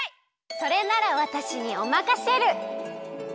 それならわたしにおまかシェル！